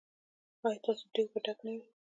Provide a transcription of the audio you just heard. ایا ستاسو دیګ به ډک نه وي؟